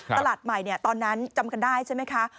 ตลาดใหม่ตอนนั้นจำกันได้ใช่ไหมคะ